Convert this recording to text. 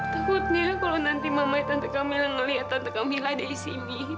takutnya kalau nanti mamanya tante kamila ngelihat tante kamila dari sini